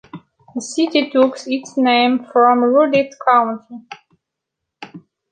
The city took its name from Rolette County.